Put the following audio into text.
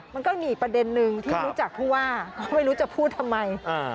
มันก็มีอีกประเด็นนึงที่รู้จักผู้ว่าไม่รู้จะพูดทำไม